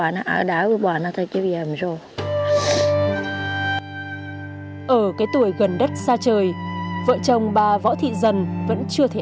ngôi nhà của bà hồ thị kim liên giờ chỉ còn sự hoang tàn đổ nát